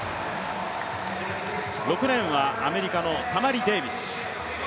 ６レーンはアメリカのタマリ・デービス。